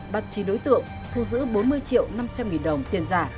bắt chín đối tượng thu giữ bốn mươi triệu năm trăm linh nghìn đồng tiền giả